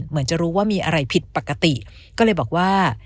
เหมือนจะรู้ว่ามีอะไรผิดปกติก็เลยบอกว่า